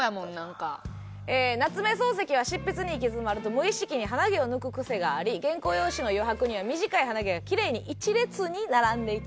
夏目漱石は執筆に行き詰まると無意識に鼻毛を抜く癖があり原稿用紙の余白には短い鼻毛がキレイに一列に並んでいたそうです。